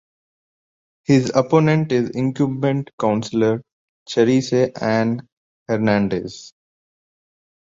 His opponent is incumbent Councilor Charisse Anne Hernandez.